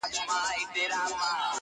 چوپ دی نغمه زار د آدم خان او درخانیو!